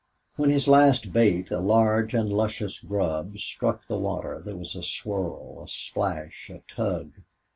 When his last bait, a large and luscious grub, struck the water there was a swirl, a splash, a tug.